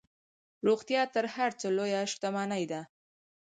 روغتیا تر هر څه لویه شتمني ده.